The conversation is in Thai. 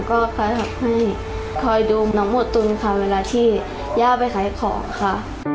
ก็คอยให้คอยดูน้องโมตุลค่ะเวลาที่ย่าไปขายของค่ะ